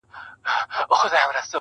• د فرهنګ او تمدن مرکز ویرژلي هرات ته! -